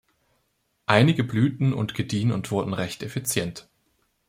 Einige blühten und gediehen und wurden recht effizient.